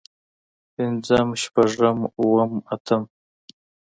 پنځم شپږم اووم اتم